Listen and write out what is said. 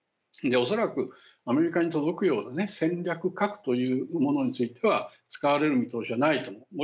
恐らくアメリカに届くような戦略核というものについては使われる見通しはないと思う。